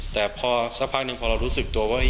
แต่พอสักพักหนึ่งพอเรารู้สึกตัวว่า